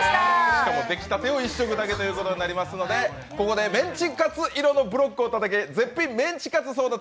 しかもできたてを１食だけとなりますのでここでメンチカツ色のブロックをたたけ、絶品メンチカツ争奪！